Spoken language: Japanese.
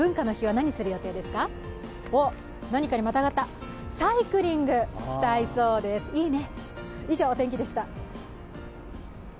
何かにまたがった、サイクリングしたいそうです、いいね。